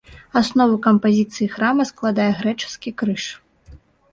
Аснову кампазіцыі храма складае грэчаскі крыж.